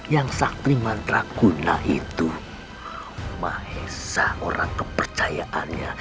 yang sakti mantra kuta itu mahesa orang kepercayaannya